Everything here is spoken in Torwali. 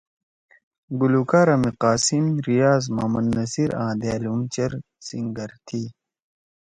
گلوکارا می قاسم، ریاض، محمد نصیر آں دأل ہُم چیر سینگرز تھی۔